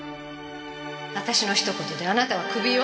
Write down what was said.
私のひと言であなたはクビよ。